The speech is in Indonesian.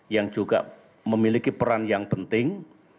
yang juga memiliki peran yang penting